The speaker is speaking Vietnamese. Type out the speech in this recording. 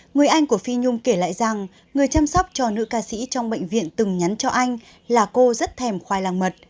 người anh của phi nhung kể lại rằng người chăm sóc cho nữ ca sĩ trong bệnh viện từng nhắn cho anh là cô rất thèm khoai lang mật